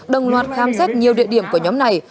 đồng loạt khám xét nhiều địa điểm của nhóm này